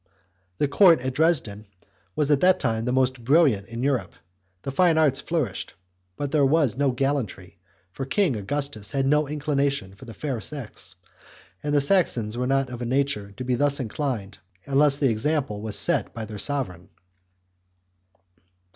The court at Dresden was at that time the most brilliant in Europe; the fine arts flourished, but there was no gallantry, for King Augustus had no inclination for the fair sex, and the Saxons were not of a nature to be thus inclined unless the example was set by their sovereign.